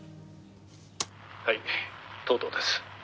「はい藤堂です」